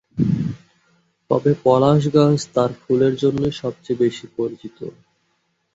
তবে পলাশ গাছ তার ফুলের জন্যই সবচেয়ে বেশি পরিচিত।